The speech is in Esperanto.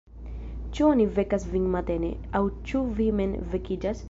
Ĉu oni vekas vin matene, aŭ ĉu vi mem vekiĝas?